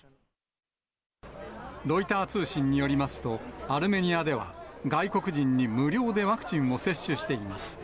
ロイター通信によりますと、アルメニアでは、外国人に無料でワクチンを接種しています。